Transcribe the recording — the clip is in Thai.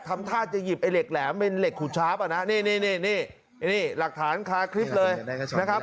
ทำท่าจะหยิบไอ้เหล็กแหลมเป็นเหล็กขูดชาร์ปอ่ะนะนี่นี่หลักฐานคาคลิปเลยนะครับ